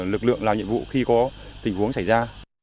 lực lượng làm nhiệm vụ khi có tình huống xảy ra